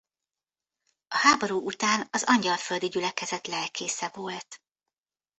A háború után az Angyalföldi Gyülekezet lelkésze volt.